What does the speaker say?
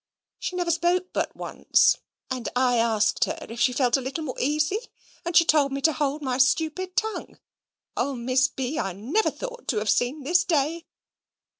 "She never spoke but once, and I asked her if she felt a little more easy, and she told me to hold my stupid tongue. Oh, Miss B., I never thought to have seen this day!"